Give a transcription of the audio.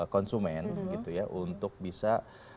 konsumen untuk bisa